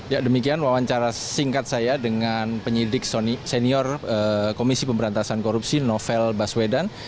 ya demikian wawancara singkat saya dengan penyidik senior komisi pemberantasan korupsi novel baswedan